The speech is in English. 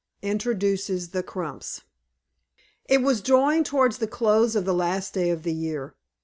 INTRODUCES THE CRUMPS. IT was drawing towards the close of the last day of the year.